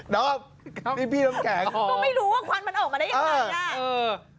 แต่ว่ามีพี่น้ำแข็งบ้างอ่ะต้องไม่รู้ว่าควันมันออกมาได้ยังไง